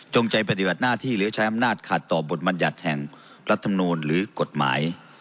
ใจปฏิบัติหน้าที่หรือใช้อำนาจขัดต่อบทบรรยัติแห่งรัฐมนูลหรือกฎหมาย